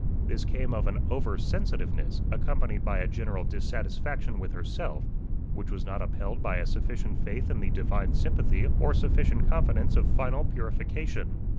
This came of an over sensitiveness, accompanied by a general dissatisfaction with herself, which was not upheld by a sufficient faith in the divine sympathy, or sufficient confidence of final purification.